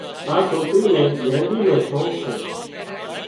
آ سوڪري نين مينۮِي نو شوق سي